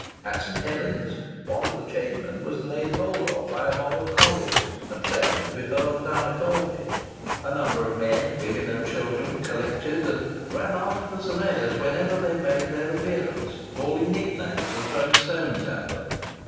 At St. Helen's, one of the chainmen was laid hold of by a mob of colliers, and threatened to be hurled down a coal pit. A number of men, women, and children, collected and ran after the surveyors wherever they made their appearance, bawling nicknames and throwing stones at them.